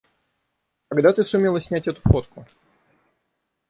Когда ты сумела снять эту фотку?